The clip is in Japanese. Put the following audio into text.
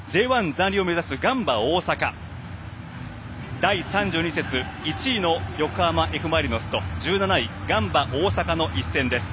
残留を目指すガンバ大阪第３２節１位の横浜Ｆ・マリノスと１７位ガンバ大阪の一戦です。